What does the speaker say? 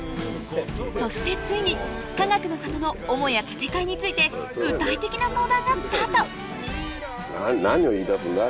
そしてついにかがくの里の母屋建て替えについて具体的な相談がスタート何を言いだすんだ？